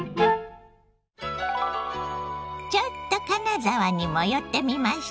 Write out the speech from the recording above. ちょっと金沢にも寄ってみましたよ。